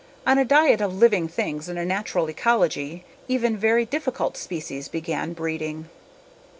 On a diet of living things in a natural ecology even very difficult species began breeding.